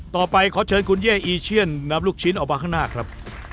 ต่อไปขอเชิญคุณเย่อีเชียนนำลูกชิ้นออกมาข้างหน้าครับ